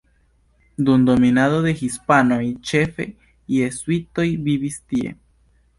Dum dominado de hispanoj ĉefe jezuitoj vivis tie.